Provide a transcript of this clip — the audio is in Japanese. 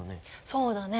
そうだね。